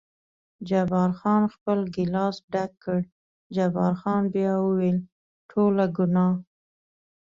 جبار خان خپل ګیلاس ډک کړ، جبار خان بیا وویل: ټوله ګناه.